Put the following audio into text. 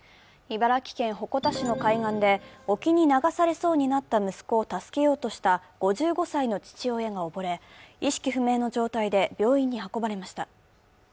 茨城県鉾田市の海岸で沖に流されそうになった息子を助けようとした５５歳の父親が溺れ、意識不明の状態で病院に運ばれました。